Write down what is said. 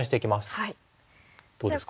どうですか？